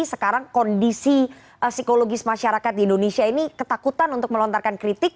sekarang kondisi psikologis masyarakat di indonesia ini ketakutan untuk melontarkan kritik